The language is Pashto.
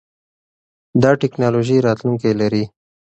دا ټکنالوژي راتلونکی لري.